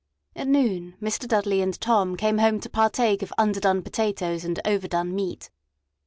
At noon Mr. Dudley and Tom came home to partake of underdone potatoes and overdone meat.